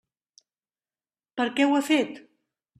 Per què ho ha fet?